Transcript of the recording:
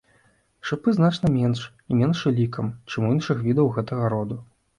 Шыпы значна менш і меншы лікам, чым у іншых відаў гэтага роду.